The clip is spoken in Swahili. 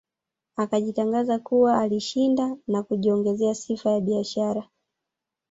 Akajitangaza kuwa alishinda na kujiongezea sifa ya biashara